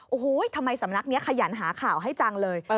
โอ้โหทำไมสำนักนี้ขยันหาข่าวให้จังเลย